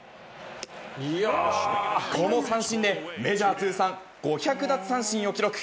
この三振で、メジャー通算５００奪三振を記録。